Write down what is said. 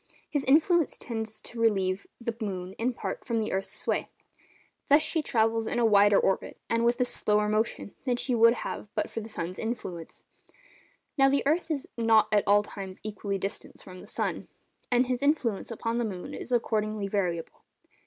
His influence tends to relieve the moon, in part, from the earth's sway. Thus she travels in a wider orbit, and with a slower motion, than she would have but for the sun's influence. Now the earth is not at all times equally distant from the sun, and his influence upon the moon is accordingly variable.